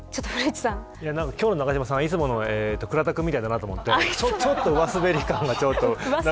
今日の永島さんはいつもの倉田さんみたいだなと思って、上すべり感が。